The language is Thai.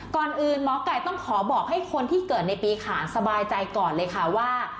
ก่อนอื่นหมอไก่ต้องขอบอกให้คนที่เกิดในปีขานสบายใจก่อนเลยค่ะว่า